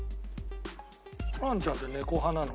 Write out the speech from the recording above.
ホランちゃんって猫派なの？